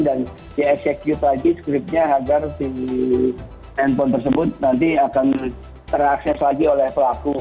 dan dieksekuti lagi scriptnya agar si handphone tersebut nanti akan ter akses lagi oleh pelaku